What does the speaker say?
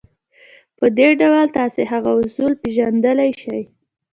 په دې ډول تاسې هغه اصول پېژندلای شئ.